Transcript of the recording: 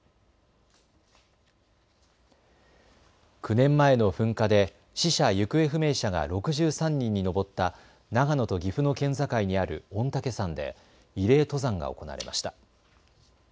９年前の噴火で死者・行方不明者が６３人に上った長野と岐阜の県境にある御嶽山で慰霊登山が行われました。